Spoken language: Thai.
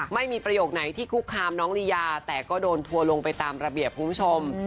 ไม่มีประโยคไหนที่คุกคามน้องลียาแต่ก็โดนทัวร์ลงไปตามระเบียบคุณผู้ชม